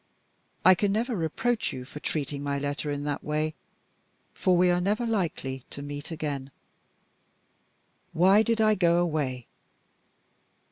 I can never reproach you for treating my letter in that way; for we are never likely to meet again. "Why did I go away?